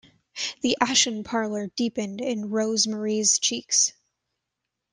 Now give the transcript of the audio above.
The ashen pallor deepened in Rose-Marie's cheeks.